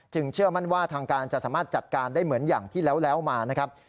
เชื่อมั่นว่าทางการจะสามารถจัดการได้เหมือนอย่างที่แล้วมานะครับ